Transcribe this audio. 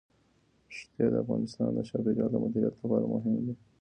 ښتې د افغانستان د چاپیریال د مدیریت لپاره مهم دي.